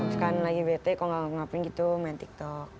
sekarang lagi bete kalau gak ngapain gitu main tiktok